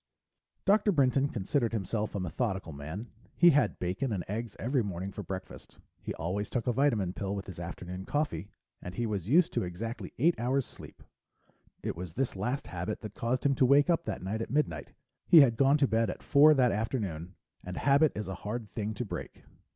Dr. Brinton considered himself a methodical man. He had bacon and eggs every morning for breakfast. He always took a vitamin pill with his afternoon coffee. And he was used to exactly eight hours sleep. It was this last habit that caused him to wake up that night at midnight; he had gone to bed at four that afternoon and habit is a hard thing to break.